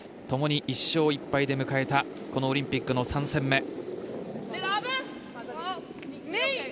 ともに１勝１敗で迎えたオリンピックの３戦目。